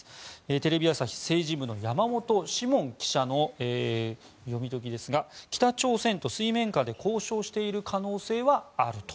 テレビ朝日政治部の山本志門記者の読み解きですが北朝鮮と水面下で交渉している可能性はあると。